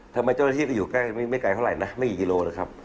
ทำไมเจ้าหน้าที่ก็อยู่ไม่ไกลเท่าไหร่นะไม่กี่กิโลแล้วครับ